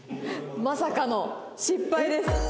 まさかの失敗です。